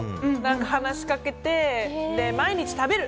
話しかけて、毎日食べる。